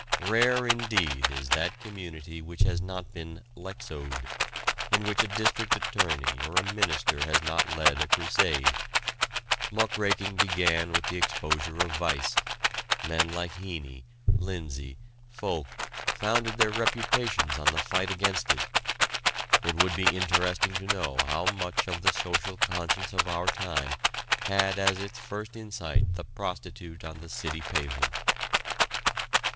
Rare indeed is that community which has not been "Lexowed," in which a district attorney or a minister has not led a crusade. Muckraking began with the exposure of vice; men like Heney, Lindsey, Folk founded their reputations on the fight against it. It would be interesting to know how much of the social conscience of our time had as its first insight the prostitute on the city pavement.